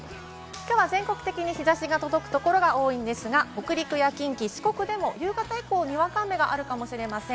全国的に日差しが届くところが多いんですが、北陸、近畿、四国でも夕方以降、にわか雨があるかもしれません。